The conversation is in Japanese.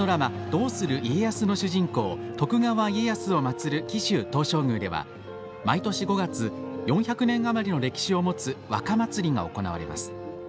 「どうする家康」の主人公・徳川家康をまつる紀州東照宮では、毎年５月４００年あまりの歴史を持つ和歌祭が行われます。